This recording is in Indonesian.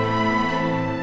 ya biarin aja